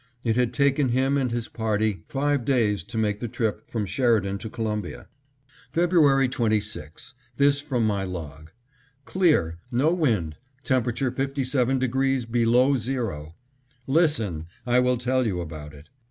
It had taken him and his party five days to make the trip from Sheridan to Columbia. February 26: This from my log: "Clear, no wind, temperature 57° below zero." Listen! I will tell you about it.